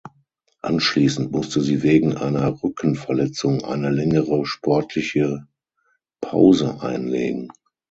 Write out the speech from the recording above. Anschließend musste sie wegen einer Rückenverletzung eine längere sportliche Pause einlegen.